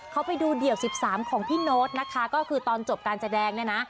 เขาไปดูเดี่ยว๑๓ของพี่โน๊ตนะคะก็คือตอนจบการแสดงเนี่ยนะ